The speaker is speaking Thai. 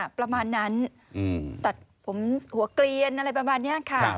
หลักประมาณนั้นสัตว์ผมหัวกเลียนไรละประมาณเนี้ยค่ะ